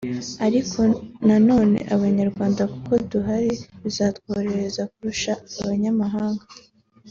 Ariko na none abanyarwanda kuko tuhazi bizatworohera kurusha abanyamahanga